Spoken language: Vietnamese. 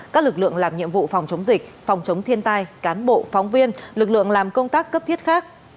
các lực lượng làm nhiệm vụ phòng chống dịch phòng chống thiên tai cán bộ phóng viên lực lượng làm công tác cấp thiết khác